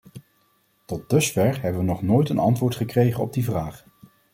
Tot dusver hebben we nog nooit een antwoord gekregen op die vraag.